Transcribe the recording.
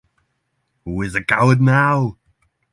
Who is coward now?